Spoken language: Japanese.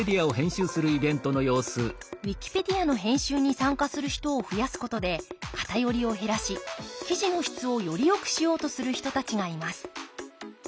ウィキペディアの編集に参加する人を増やすことで偏りを減らし記事の質をよりよくしようとする人たちがいます。